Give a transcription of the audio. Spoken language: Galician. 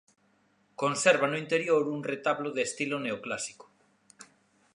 Conserva no interior un retablo de estilo neoclásico.